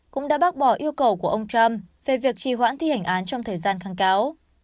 cũng đã bác bỏ yêu cầu của ông trump về việc trì hoãn thi hành án trong thời gian kháng cáo